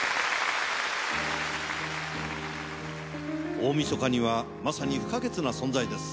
大みそかにはまさに不可欠な存在です。